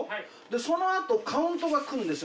そのあとカウントがくるんですよ